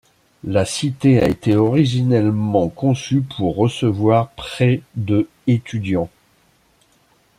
La cité a été originellement conçue pour recevoir près de étudiants.